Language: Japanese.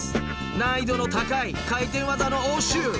難易度の高い回転技の応酬。